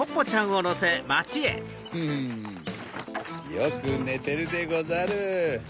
よくねてるでござる。